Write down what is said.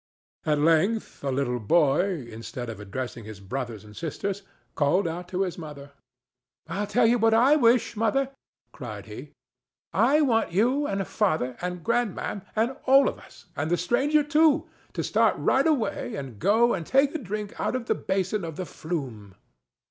At length a little boy, instead of addressing his brothers and sisters, called out to his mother. "I'll tell you what I wish, mother," cried he: "I want you and father and grandma'm, and all of us, and the stranger too, to start right away and go and take a drink out of the basin of the Flume."